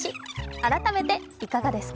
改めていかがですか？